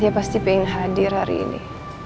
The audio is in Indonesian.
dia pasti pengen hadir hari ini